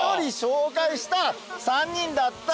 ３人だった。